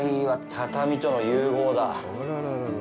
畳との融合だ。